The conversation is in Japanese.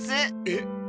えっ。